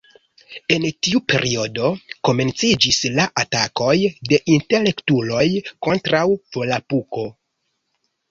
En tiu periodo, komenciĝis la atakoj de intelektuloj kontraŭ Volapuko.